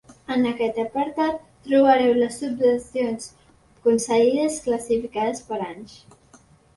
En aquest apartat trobareu les subvencions concedides classificades per anys.